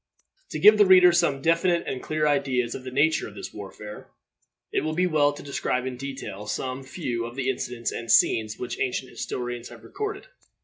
To give the reader some definite and clear ideas of the nature of this warfare, it will be well to describe in detail some few of the incidents and scenes which ancient historians have recorded.